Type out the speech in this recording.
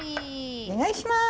お願いします！